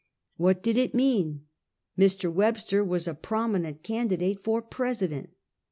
What did it mean ? Mr. Webster was a prominent candidate for President.